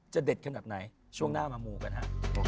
เด็ดขนาดไหนช่วงหน้ามามูกันฮะ